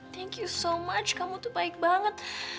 thank you so mutch kamu tuh baik banget